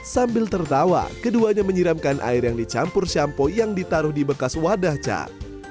sambil tertawa keduanya menyiramkan air yang dicampur shampoo yang ditaruh di bekas wadah cat